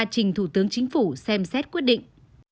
trình thủ tướng chính phủ xem xét quyết định